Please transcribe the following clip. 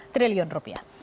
tiga lima triliun rupiah